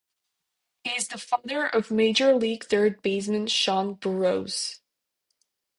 He is the father of major league third baseman Sean Burroughs.